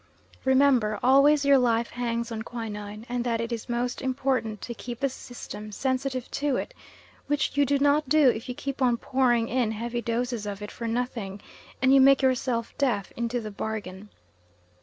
Remember always your life hangs on quinine, and that it is most important to keep the system sensitive to it, which you do not do if you keep on pouring in heavy doses of it for nothing and you make yourself deaf into the bargain.